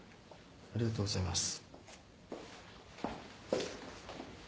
ありがとうございます。